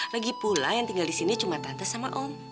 lagi pula yang tinggal di sini cuma tante sama om